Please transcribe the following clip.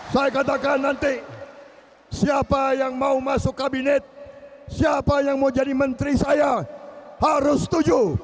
saya katakan nanti siapa yang mau masuk kabinet siapa yang mau jadi menteri saya harus setuju